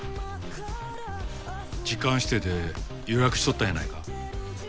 時間指定で予約しとったんやないか？